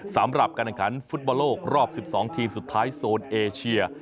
สำหรับการแข่งขันฟุตบอลโลกรอบ๑๒ทีมสุดท้ายโซนเอเชีย